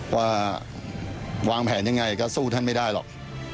ว่าวางแผนยังไงก็สู้ท่านไม่ได้หรอก